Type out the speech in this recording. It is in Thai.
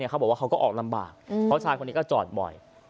เขาบอกว่าเขาก็ออกลำบากเพราะชายคนนี้ก็จอดบ่อย